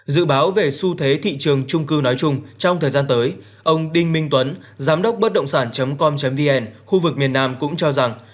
dự báo về xu thế thị trường trung cư nói chung trong thời gian tới ông đinh minh tuấn giám đốc bất động sản com vn khu vực miền nam cũng cho rằng